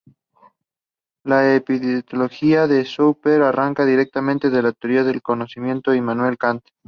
La epistemología de Schopenhauer arranca directamente de la teoría del conocimiento de Immanuel Kant.